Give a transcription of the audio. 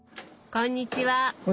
こんにちは。